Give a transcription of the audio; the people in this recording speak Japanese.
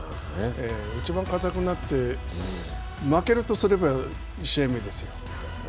いちばんかたくなって、負けるとすれば１試合目ですよ。